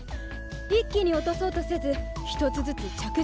一気に落とそうとせず１つずつ着実に。